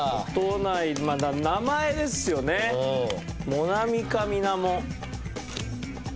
「もなみ」か「みなも」。